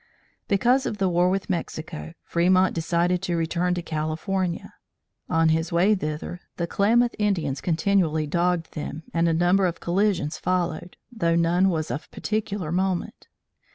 Because of the war with Mexico, Fremont decided to return to California. On his way thither, the Tlamath Indians continually dogged them and a number of collisions followed, though none was of particular moment.